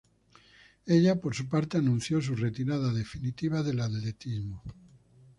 Ella, por su parte, anunció su retirada definitiva del atletismo.